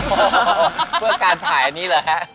โอ้โหเพื่อการถ่ายอันนี้เหรอฮะ